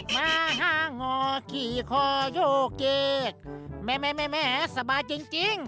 มาห้างอขี่คอยกเจกแม่สบายจริง